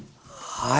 はい。